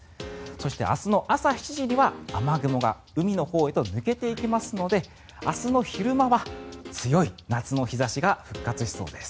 そして、明日の朝７時には雨雲が海のほうへと抜けていきますので明日の昼間は強い夏の日差しが復活しそうです。